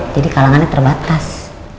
jadi kalangannya terbatas